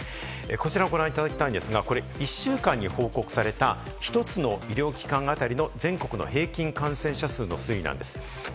こちらをご覧いただきたいんですが、これ１週間に報告された１つの医療機関あたりの全国の平均感染者数の推移なんです。